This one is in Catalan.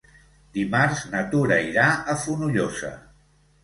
Dimarts na Tura irà a Fonollosa.